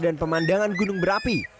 dan pemandangan gunung berapi